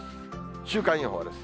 週間予報です。